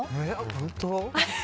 本当？